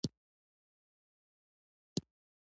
نفوذ او اقتدار بیان ورته وکړ.